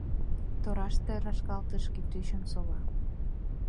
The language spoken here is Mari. Тораште рашкалтыш кӱтӱчын сола.